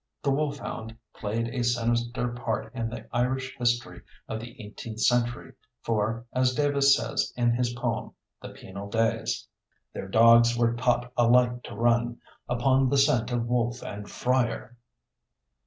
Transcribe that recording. The wolfhound played a sinister part in the Irish history of the eighteenth century, for, as Davis says in his poem, "The Penal Days": Their dogs were taught alike to run Upon the scent of wolf and friar.